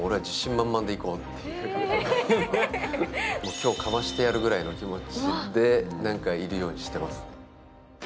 今日かましてやるくらいの気持ちでやるようにしています。